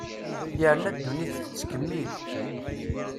Yerna ddunit tettkemmil.